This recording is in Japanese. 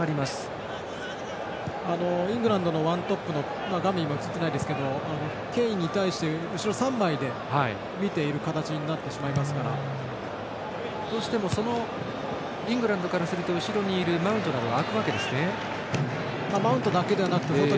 イングランドのワントップのケインに対して、後ろ３枚で見ている形になってしまうのでどうしてもイングランドからすると後ろにいるマウントが空くんですね。